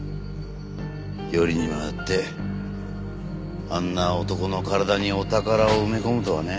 よりにもよってあんな男の体にお宝を埋め込むとはね。